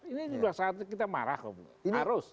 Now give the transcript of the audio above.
ini udah saatnya kita marah harus